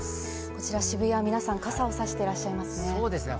こちら渋谷、皆さん傘をさしていらっしゃいますね。